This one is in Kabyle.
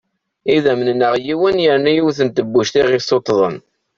Idamen-nneɣ yiwen yerna yiwet n tebbuct i ɣ-yesuttḍen.